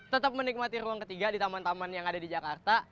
tetap menikmati ruang ketiga di taman taman yang ada di jakarta